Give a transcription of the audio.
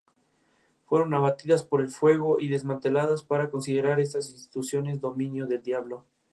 Integró las orquestas de Francisco Lomuto y Mariano Mores.